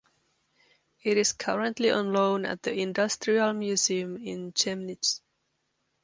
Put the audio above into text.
It is currently on loan at the Industrial Museum in Chemnitz.